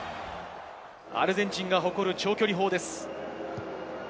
アルゼンチンが誇る長距離砲です。